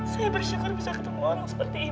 saya bersyukur bisa ketemu orang seperti ini